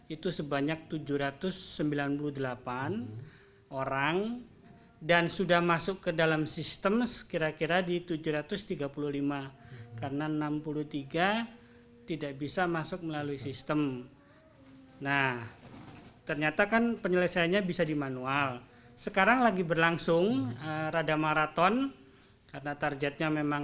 itu sebanyak tujuh ratus sembilan puluh delapan orang dan sudah masuk ke dalam sistem sekira kira di tujuh sleeping remember enam